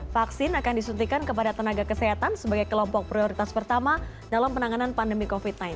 vaksin akan disuntikan kepada tenaga kesehatan sebagai kelompok prioritas pertama dalam penanganan pandemi covid sembilan belas